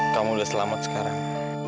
kamu udah selamat sekarang